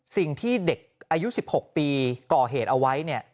สิ่งที่เด็กอายุ๑๖ปีก่อเหตุเอาไว้เนี่ย